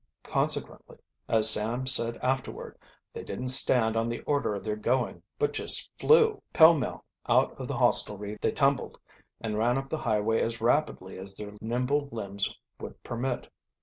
Consequently, as Sam said afterward, "They didn't stand on the order of their going, but just flew." Pell mell out of the hostelry they tumbled, and ran up the highway as rapidly as their nimble limbs would permit.